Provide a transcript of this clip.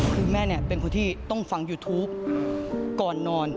คือแม่เนี่ยเป็นคนที่ต้องฟังยูทูปก่อนนอน